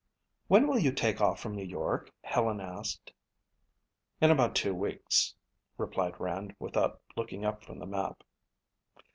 "When will you take off from New York?" Helen asked. "In about two weeks," replied Rand without looking up from the map.